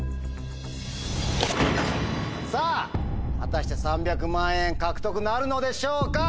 さぁ果たして３００万円獲得なるのでしょうか？